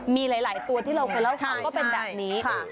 มีหลายตัวที่เราเคยเราร้องครองก็เป็นแบบนี้